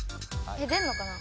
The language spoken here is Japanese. え出んのかな？